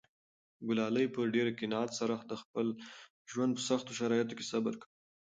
ګلالۍ په ډېر قناعت سره د خپل ژوند په سختو شرایطو کې صبر کاوه.